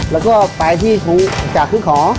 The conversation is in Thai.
แล้วก็ไปที่ถุงจากคือของ